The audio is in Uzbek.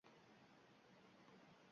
Shuncha uzoq bo’lding, bas, endi yetar